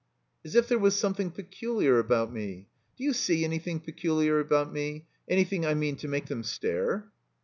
"As if there was something pectiliar about me. Do you see an3rthing peculiar about me? Anything, I mean, to make them stare?"